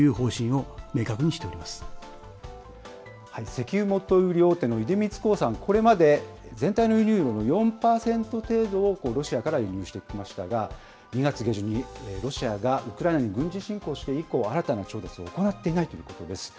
石油元売り大手の出光興産、これまで全体の輸入量の４％程度をロシアから輸入してきましたが、２月下旬にロシアがウクライナに軍事侵攻して以降、新たな調達を行っていないということです。